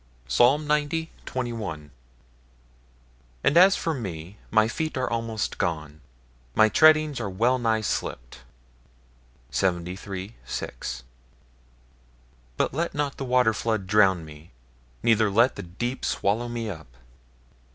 Psalm 90, 21 And as for me, my feet are almost gone; My treadings are wellnigh slipped. 73, 6 But let not the waterflood drown me; neither let The deep swallow me up.